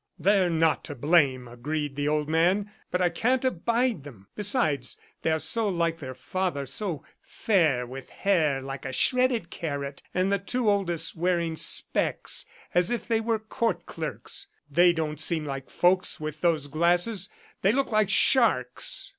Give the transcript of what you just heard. "They're not to blame," agreed the old man, "but I can't abide them! Besides, they are so like their father, so fair, with hair like a shredded carrot, and the two oldest wearing specs as if they were court clerks! ... They don't seem like folks with those glasses; they look like sharks."